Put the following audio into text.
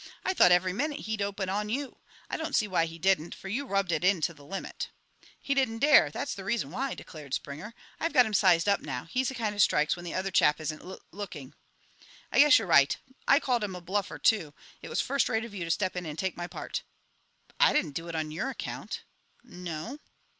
I thought every minute he'd open on you. I don't see why he didn't, for you rubbed it in to the limit." "He didn't dare, that's the reason why," declared Springer. "I've got him sized up now; he's the kind that strikes when the other chap isn't lul looking." "I guess you're right. I called him a bluffer, too. It was first rate of you to step in and take my part." "I didn't do it on your account." "No?"